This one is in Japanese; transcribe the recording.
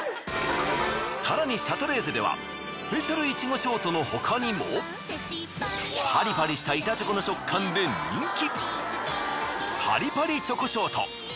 更にシャトレーゼではスペシャル苺ショートの他にも。パリパリした板チョコの食感で人気。